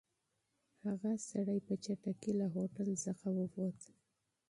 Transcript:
هغه سړی په چټکۍ له هوټل څخه ووت.